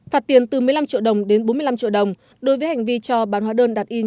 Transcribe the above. phạt tiền từ một mươi năm triệu đồng đến bốn mươi năm triệu đồng đối với hành vi cho bán hóa đơn đặt in